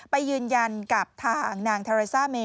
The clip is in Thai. ไปยืนยันกับทางนางทาเรซ่าเม